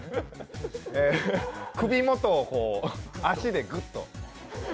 首元をこう、足でグッと。